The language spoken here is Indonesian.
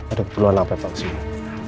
ada keperluan apa apa kesini